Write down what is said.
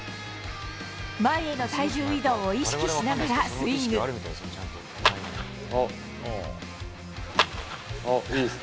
前への体重移動を意識しながあっ、いいですね。